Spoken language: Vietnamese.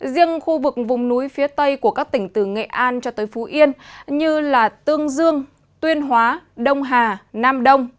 riêng khu vực vùng núi phía tây của các tỉnh từ nghệ an cho tới phú yên như tương dương tuyên hóa đông hà nam đông